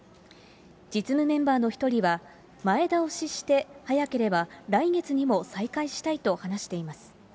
実務メンバーの一人は、前倒しして、早ければ来月にも再開したいと話しています。